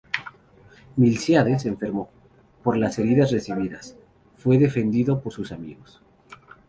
Milcíades, enfermo, por las heridas recibidas, fue defendido por sus amigos.